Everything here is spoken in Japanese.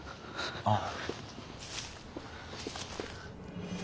ああ。